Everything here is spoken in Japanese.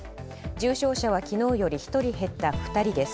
重症者は昨日より１人減った２人です。